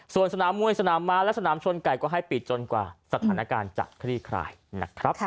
ส่วนสนามมวยสนามม้าและสนามชนไก่ก็ให้ปิดจนกว่าสถานการณ์จะคลี่คลายนะครับ